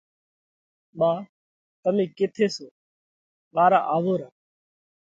ٻا تمي ڪيٿئہ سو۔ ٻارا آوو را۔